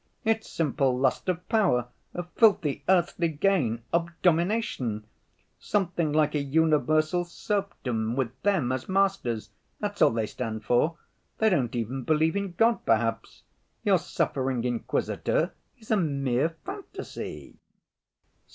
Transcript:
It's simple lust of power, of filthy earthly gain, of domination—something like a universal serfdom with them as masters—that's all they stand for. They don't even believe in God perhaps. Your suffering Inquisitor is a mere fantasy."